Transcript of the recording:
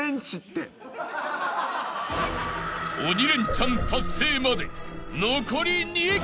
［鬼レンチャン達成まで残り２曲］